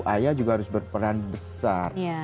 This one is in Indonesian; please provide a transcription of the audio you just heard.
ayah juga harus berperan besar